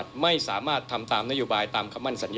ที่เราอย่างนนั้นก็ควรเลย